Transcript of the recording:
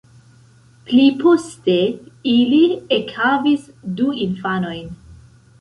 Pliposte ili ekhavis du infanojn.